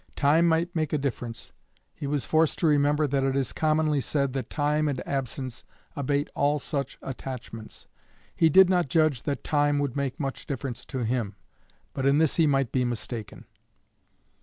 Time might make a difference; he was forced to remember that it is commonly said that time and absence abate all such attachments. He did not judge that time would make much difference to him, but in this he might be mistaken.